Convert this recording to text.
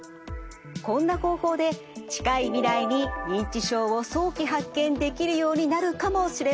こんな方法で近い未来に認知症を早期発見できるようになるかもしれません。